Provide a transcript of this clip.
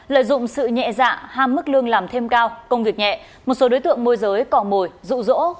lợi dụng sự nhẹ dạ ham mức lương làm thêm cao công việc nhẹ một số đối tượng môi giới cò mồi rụ rỗ